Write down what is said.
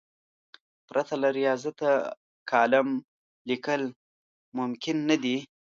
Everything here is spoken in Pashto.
پرته له ریاضته کالم لیکل ممکن نه دي.